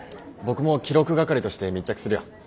僕も記録係として密着するよ。